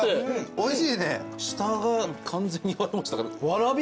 おいしい。